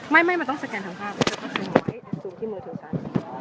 ไม่มันต้องสแกนทั้งภาพมันต้องเซ็นไว้เอ็นซูมที่มือถือกัน